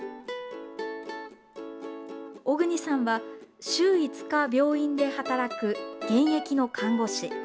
小國さんは週５日、病院で働く現役の看護師。